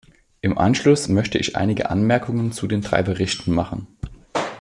Im Anschluss möchte ich einige Anmerkungen zu den drei Berichten machen.